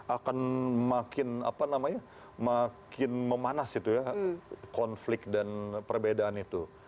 akan makin memanas konflik dan perbedaan itu